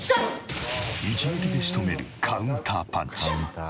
一撃で仕留めるカウンターパンチ。